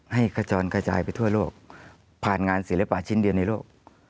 ให้กระจอนกระจายไปทั่วโลกผ่านงานศิลปะชิ้นเดียวในโลก